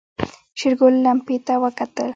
شېرګل لمپې ته وکتل.